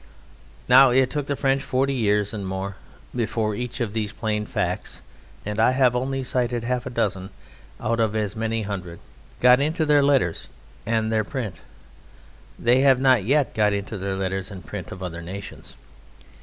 Now it took the French forty years and more before each of these plain facts (and I have only cited half a dozen out of as many hundred) got into their letters and their print: they have not yet got into the letters and the print of other nations.